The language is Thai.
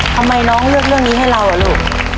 ทำไมน้องเลือกเรื่องนี้ให้เราอ่ะลูก